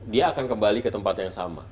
dia akan kembali ke tempat yang sama